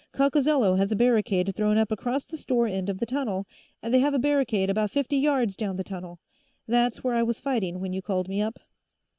"Coccozello has a barricade thrown up across the store end of the tunnel, and they have a barricade about fifty yards down the tunnel. That's where I was fighting when you called me up."